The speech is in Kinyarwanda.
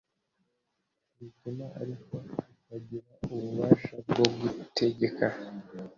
ntibituma ariko bagira ububasha bwo gutegeka